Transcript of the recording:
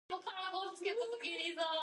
Estey was born in Saskatoon, Saskatchewan.